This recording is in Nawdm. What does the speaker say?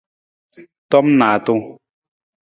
Tom naatung.